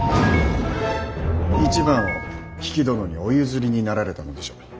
一番を比企殿にお譲りになられたのでしょう。